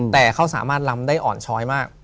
แต่เขาสามารถลำได้อ่อนช้อยมาก